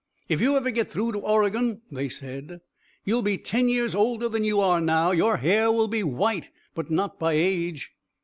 "If you ever get through to Oregon," they said, "you'll be ten years older than you are now. Your hair will be white, but not by age."